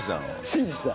信じてた。